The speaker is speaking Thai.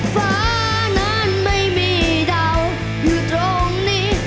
ฟ้านั้นไม่มีเดาอยู่ตรงนี้